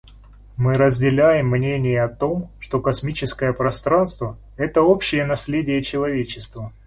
Мы разделяем мнение о том, что космическое пространство − это общее наследие человечества.